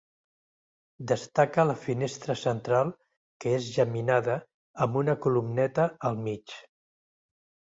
Destaca la finestra central que és geminada amb una columneta al mig.